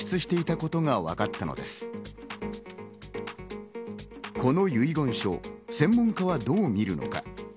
この遺言書、専門家はどう見るのか。